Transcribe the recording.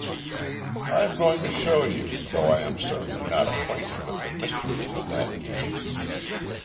"I am going to show you, though I am certainly not acquainted with the mysteries of that game.